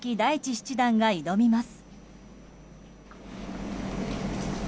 七段が挑みます。